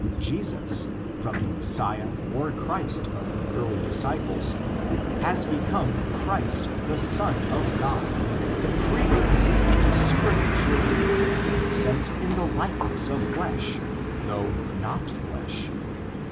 Jesus, from the Messiah or Christ of the early disciples, has become Christ the Son of God, a pre existent supernatural being, sent in the likeness of flesh, though not flesh.